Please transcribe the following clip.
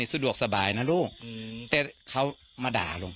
สะดวกสบายนะลูกแต่เขามาด่าลุง